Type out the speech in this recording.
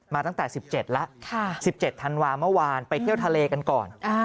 ตั้งแต่๑๗แล้ว๑๗ธันวาเมื่อวานไปเที่ยวทะเลกันก่อน